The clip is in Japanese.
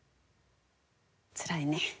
つらいね。